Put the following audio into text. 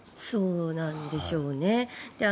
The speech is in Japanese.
そうなんでしょうね。